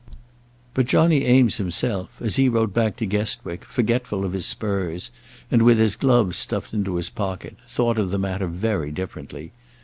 But Johnny Eames himself, as he rode back to Guestwick, forgetful of his spurs, and with his gloves stuffed into his pocket, thought of the matter very differently.